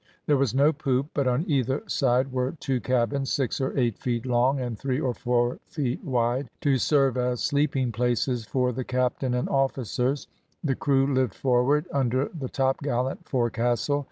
There was no poop, but on either side were two cabins, six or eight feet long, and three or four wide, to serve as sleeping places for the captain and officers; the crew lived forward, under the topgallant forecastle.